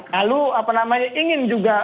lalu ingin juga